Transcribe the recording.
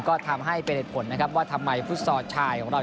ก็ทำให้เป็นเหตุผลนะครับว่าทำไมฟุตซอลชายของเรา